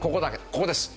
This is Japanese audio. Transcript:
ここです。